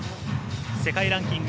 世界ランキング